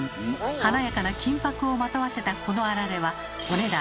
華やかな金箔をまとわせたこのあられはお値段